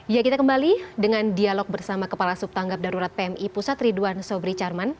ya kita kembali dengan dialog bersama kepala subtanggap darurat pmi pusat ridwan sobri charman